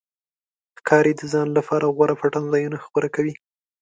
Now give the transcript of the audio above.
ښکاري د ځان لپاره غوره پټنځایونه غوره کوي.